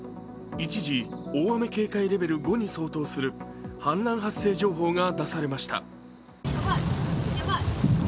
一時、大雨警戒レベル５に相当する氾濫発生情報が出ました。